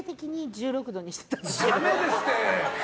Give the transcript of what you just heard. ダメですって！